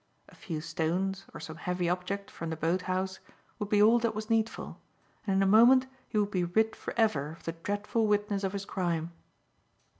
A few stones, or some heavy object from the boat house, would be all that was needful; and in a moment he would be rid for ever of the dreadful witness of his crime.